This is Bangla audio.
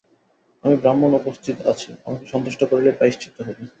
আমি ব্রাহ্মণ উপস্থিত আছি, আমাকে সন্তুষ্ট করিলেই প্রায়শ্চিত্ত হইবে।